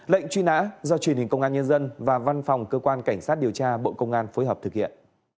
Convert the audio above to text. lệnh truy nã do truyền hình công an nhân dân và văn phòng cơ quan cảnh sát điều tra bộ công an phối hợp thực hiện